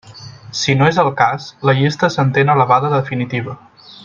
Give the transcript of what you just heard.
Si no és el cas, la llista s'entén elevada a definitiva.